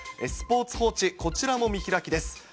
スポーツ報知、こちらも見開きです。